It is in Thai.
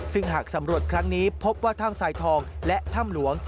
ซึ่งหากสำรวจครั้งนี้พบว่าถ้ำสายทองและถ้ำหลวง